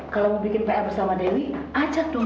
kalau mau bikin pr bersama dewi ajak dong